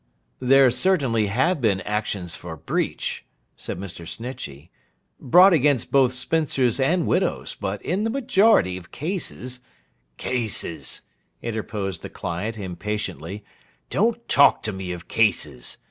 'There certainly have been actions for breach,' said Mr. Snitchey, 'brought against both spinsters and widows, but, in the majority of cases—' 'Cases!' interposed the client, impatiently. 'Don't talk to me of cases.